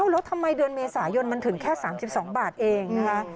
แล้วทำไมเดือนเมษายนมันถึงแค่๓๒บาทเองนะคะ